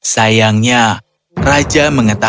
sayangnya raja mengingatkan